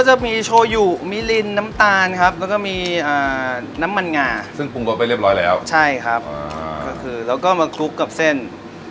อันนี้เป็นอะไรซอสนี่ใส่อะไรบ้าง